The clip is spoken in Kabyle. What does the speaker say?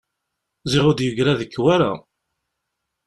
Ziɣ ur d-yegra deg-k wara!